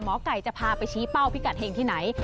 หมอไก่จะพาไปชี้เป้าพิกัดเห็งที่ไหน